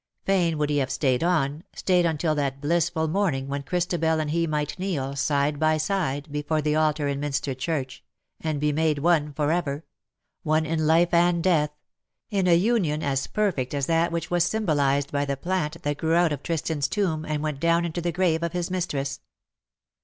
Fain would he have stayed on — stayed until that blissful morning when Christabel and he might kneel, side by side;, before the altar in Minster Church, and be made one for ever — one in life and death — in a union as perfect as that which was symbolized hj the plant that grew out of Tristan^s tomb and went down into the grave of his mistress.